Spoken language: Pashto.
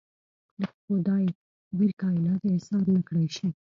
د خدای ویړ کاینات ایسار نکړای شي.